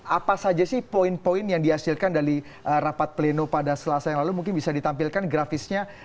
apa saja sih poin poin yang dihasilkan dari rapat pleno pada selasa yang lalu mungkin bisa ditampilkan grafisnya